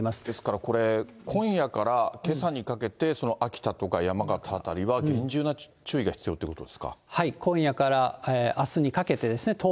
ですからこれ、今夜からけさにかけて秋田とか山形辺りは厳重な注意が必要ってい今夜からあすにかけてですね。